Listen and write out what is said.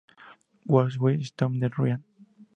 Who Will Stop the Rain?